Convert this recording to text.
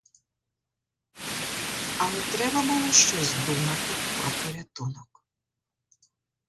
Але треба було щось думати про порятунок.